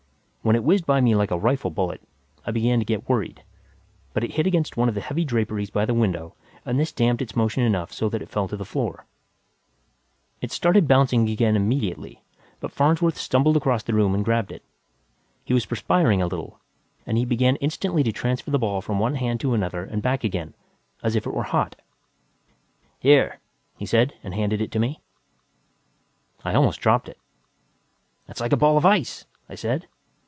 When it whizzed by me like a rifle bullet, I began to get worried, but it hit against one of the heavy draperies by the window and this damped its motion enough so that it fell to the floor. It started bouncing again immediately, but Farnsworth scrambled across the room and grabbed it. He was perspiring a little and he began instantly to transfer the ball from one hand to another and back again as if it were hot. "Here," he said, and handed it to me. I almost dropped it. "It's like a ball of ice!" I said.